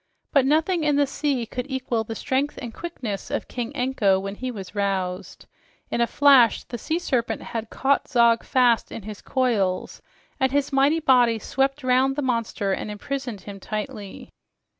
But nothing in the sea could equal the strength and quickness of King Anko when he was roused. In a flash the sea serpent had caught Zog fast in his coils, and his mighty body swept round the monster and imprisoned him tightly.